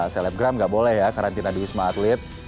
selebgram nggak boleh ya karantina di wisma atlet